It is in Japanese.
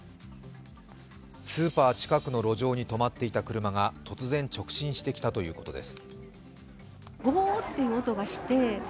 スーパー近くの路上に止まっていた車が突然、直進してきたということです